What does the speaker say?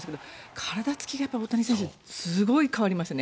体つきが大谷選手すごい変わりましたね。